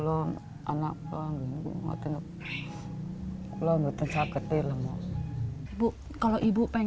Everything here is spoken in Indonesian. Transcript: saya ensuite melakukan sesudah dia bawang pumping